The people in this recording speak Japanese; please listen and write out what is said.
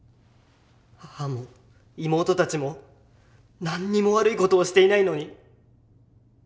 母も妹たちも何にも悪い事をしていないのに。